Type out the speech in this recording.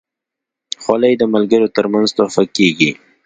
خولۍ د ملګرو ترمنځ تحفه کېږي.